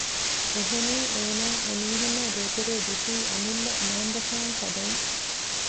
އެހެނީ އޭނާ އެމީހުންނާ ދޭތެރޭ ދުށީ އަމިއްލަ މައިންބަފައިން ފަދައިން